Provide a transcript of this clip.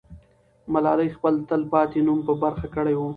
ملالۍ خپل تل پاتې نوم په برخه کړی وو.